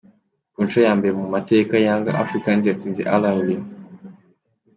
Ku nshuro ya mbere mu mateka Yanga Africans yatsinze Al Ahly .